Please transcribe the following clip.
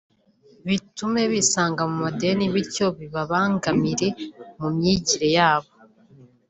bitume bisanga mu madeni bityo bibabangamire mu myigire ya bo